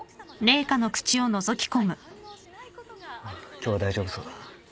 今日は大丈夫そうだ。